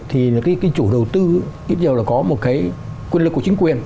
thì cái chủ đầu tư ít nhiều là có một cái quyền lực của chính quyền